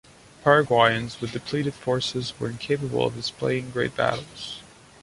Paraguayans, with depleted forces, were incapable of displaying great battles.